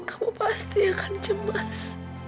kamu pasti akan cemas